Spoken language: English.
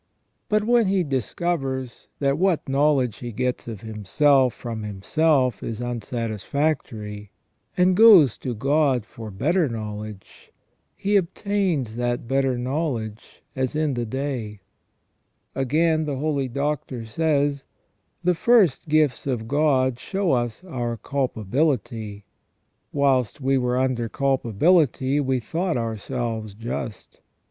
But when he discovers that what knowledge he gets of himself from himself is unsatisfactory, and goes to God for better knowledge, he obtains that better know ledge as in the day," Again, the holy Doctor says : "The first gifts of God show us our culpability. Whilst we were under cul pability we thought ourselves just.